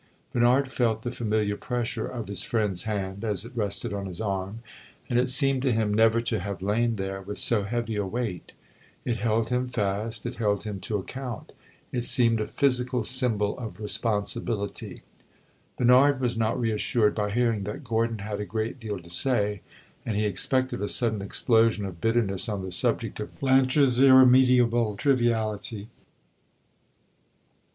Bernard felt the familiar pressure of his friend's hand, as it rested on his arm, and it seemed to him never to have lain there with so heavy a weight. It held him fast it held him to account; it seemed a physical symbol of responsibility. Bernard was not re assured by hearing that Gordon had a great deal to say, and he expected a sudden explosion of bitterness on the subject of Blanche's irremediable triviality.